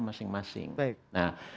masing masing baik nah